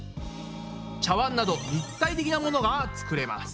茶わんなど立体的なものが作れます。